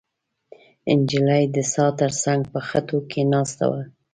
نجلۍ د څا تر څنګ په خټو کې ناسته وه.